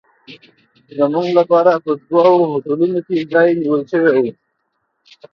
زموږ لپاره په دوو هوټلونو کې ځای نیول شوی و.